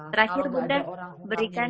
terakhir bunda berikan